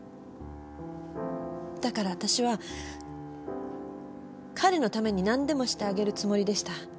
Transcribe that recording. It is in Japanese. だから私は彼のために何でもしてあげるつもりでした。